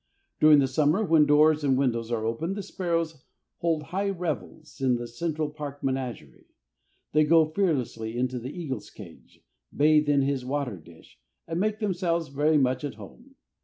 During the summer, when doors and windows are open, the sparrows hold high revels in the Central Park menagerie. They go fearlessly into the eagle's cage, bathe in his water dish, and make themselves very much at home.